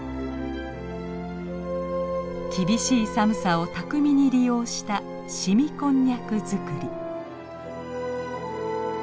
厳しい寒さを巧みに利用した凍みこんにゃく作り。